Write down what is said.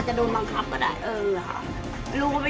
เห็นตาลงขาวอ่ะ